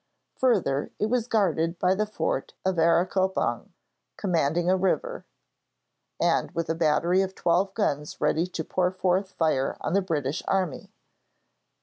Further, it was guarded by the fort of Areacopong commanding a river, and with a battery of twelve guns ready to pour forth fire on the British army.